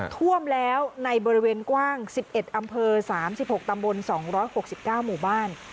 ท่วมแล้วในบริเวณกว้าง๑๑อำเภอ๓๖ตำบล๒๖๙หมู่บ้าน